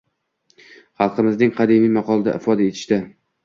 Xalqimizning qadimiy maqolida ifoda etishdi